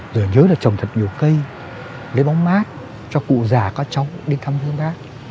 rồi nhớ là trồng nhiều cây lấy bóng mart cho cụ già có trông đến thăm với bác